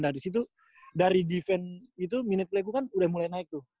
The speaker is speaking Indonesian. dari situ dari defense itu minute play gue kan udah mulai naik tuh